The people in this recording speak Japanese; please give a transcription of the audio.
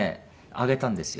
あげたんですよ。